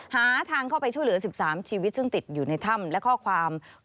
หาทางเข้าไปช่วยเหลือ๑๓ชีวิตซึ่งติดอยู่ในถ้ำและข้อความ